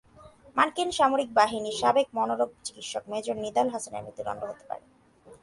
মার্কিন সামরিক বাহিনীর সাবেক মনোরোগ চিকিৎসক মেজর নিদাল হাসানের মৃত্যুদণ্ড হতে পারে।